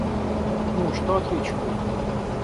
Ну, что отвечу ей?!